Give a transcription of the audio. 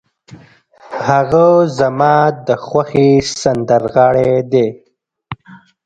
هغه زما د خوښې سندرغاړی دی.